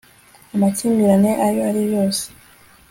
amakimbirane ayo ariyo yose